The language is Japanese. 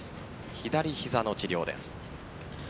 左膝の治療です。